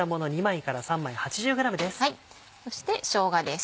そしてしょうがです。